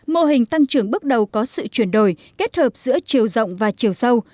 mô hình tăng trưởng bước đầu có sự chuyển đổi kết hợp giữa chiều rộng và chiều sâu